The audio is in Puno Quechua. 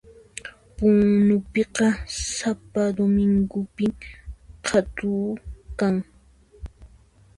Punupiqa sapa domingopin qhatu kan